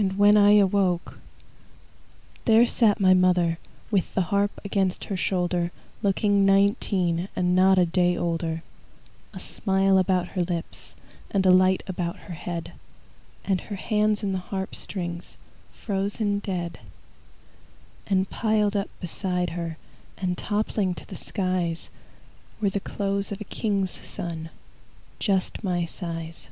And when I awoke,– There sat my mother With the harp against her shoulder Looking nineteen And not a day older, A smile about her lips, And a light about her head, And her hands in the harp strings Frozen dead. And piled up beside her And toppling to the skies, Were the clothes of a king's son, Just my size.